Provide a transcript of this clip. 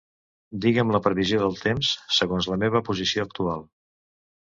Diga'm la previsió del temps segons la meva posició actual.